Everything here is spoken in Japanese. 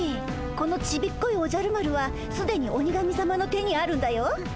このちびっこいおじゃる丸はすでに鬼神さまの手にあるんだよ。